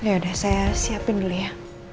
yaudah saya siapin dulu ya